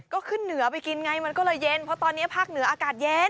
ก็ขึ้นเหนือไปกินไงมันก็เลยเย็นเพราะตอนนี้ภาคเหนืออากาศเย็น